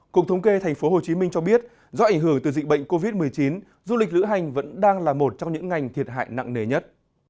cục thống kê tp hcm cho biết do ảnh hưởng từ dịch bệnh covid một mươi chín du lịch lữ hành vẫn đang là một trong những ngành thiệt hại nặng nề nhất